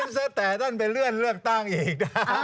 ซะแต่ท่านไปเลื่อนเลือกตั้งอีก